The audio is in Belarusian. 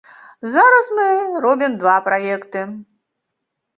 Зараз мы робім два праекты.